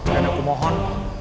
dan aku mohon